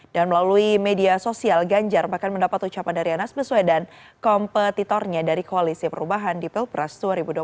dan melalui media sosial ganjar bahkan mendapat ucapan dari anas beswedan kompetitornya dari koalisi perubahan di pilpres dua ribu dua puluh empat